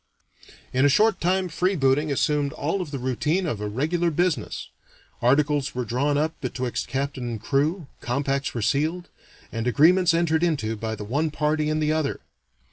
In a short time freebooting assumed all of the routine of a regular business. Articles were drawn up betwixt captain and crew, compacts were sealed, and agreements entered into by the one party and the other.